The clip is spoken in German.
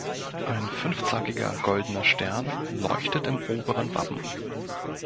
Ein fünfzackiger goldener Stern leuchtet im oberen Wappen.